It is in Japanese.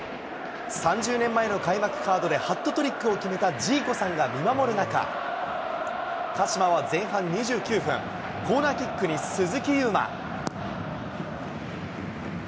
３０年前の開幕カードで、ハットトリックを決めたジーコさんが見守る中、鹿島は前半２９分、コーナーキックに鈴木優磨。